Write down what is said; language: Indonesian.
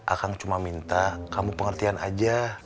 akang cuma minta kamu pengertian aja